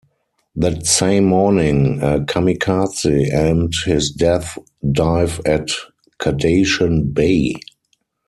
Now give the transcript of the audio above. That same morning a kamikaze aimed his death dive at "Kadashan Bay".